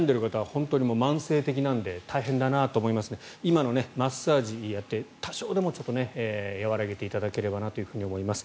本当に慢性的なので大変だなと思いますが今のマッサージをやって多少でも和らげていただければと思います。